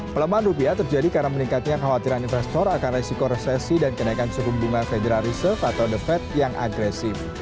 pelemahan rupiah terjadi karena meningkatnya kekhawatiran investor akan resiko resesi dan kenaikan suku bunga federal reserve atau the fed yang agresif